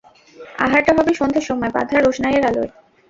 আহারটা হবে সন্ধের সময় বাঁধা রোশনাইয়ের আলোয়।